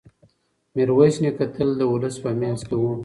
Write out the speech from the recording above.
میرویس نیکه تل د ولس په منځ کې و.